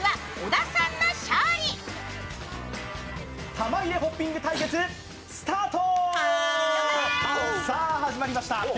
玉入れホッピング対決スタート！